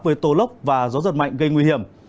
với tố lốc và gió giật mạnh gây nguy hiểm